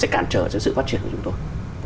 cảm trở cho sự phát triển của chúng tôi